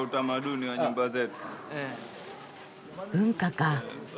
文化か。